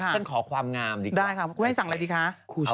ฉันขอความงามเลยสั่งอะไรดีคะ